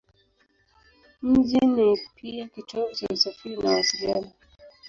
Mji ni pia kitovu cha usafiri na mawasiliano.